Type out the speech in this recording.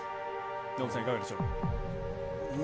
ノブさん、いかがでしょう。